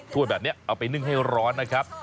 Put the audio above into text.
ถ้วยแบบนี้เอาไปนึ่งให้ร้อนนะครับ